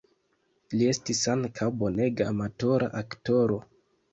Li estis ankaŭ bonega amatora aktoro.